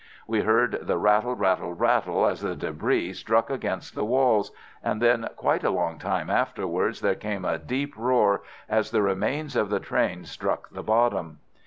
We heard the rattle, rattle, rattle, as the débris struck against the walls, and then quite a long time afterwards there came a deep roar as the remains of the train struck the bottom.